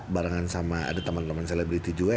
barengan sama ada temen temen celebrity juga